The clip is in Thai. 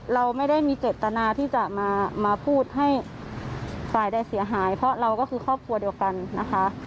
เราไม่ได้มีเจตนาที่จะมาพูดให้ฝ่ายใดเสียหายเพราะเราก็คือครอบครัวเดียวกันนะคะ